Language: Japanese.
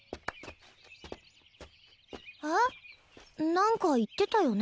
何か言ってたよね